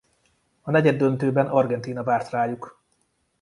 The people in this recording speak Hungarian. A negyeddöntőben Argentína várt rájuk.